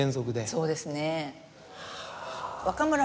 そうですね。